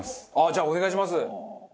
じゃあお願いします。